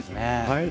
はい。